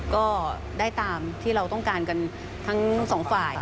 ก็ได้ตามที่เราต้องการกันทั้งสองฝ่าย